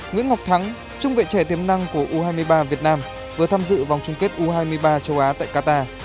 nguyễn ngọc thắng trung vệ trẻ tiềm năng của u hai mươi ba việt nam vừa tham dự vòng chung kết u hai mươi ba châu á tại qatar